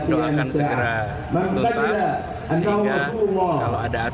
doakan segera untuk tas